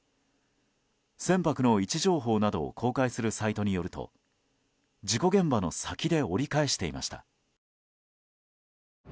船舶の位置情報などを公開するサイトによると事故現場の先で折り返していました。